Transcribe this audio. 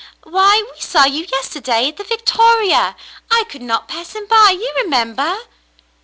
*'Why, we saw you yesterday at the Victoria. I could not pass him by, you remember?"